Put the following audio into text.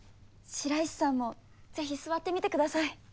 白石さんもぜひ座ってみてください。